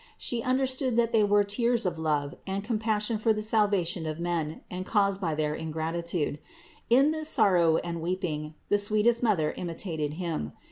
She understood that they were tears of love and compassion for the salva tion of men and caused by their ingratitude ; in this sor row and weeping the sweetest Mother imitated Him.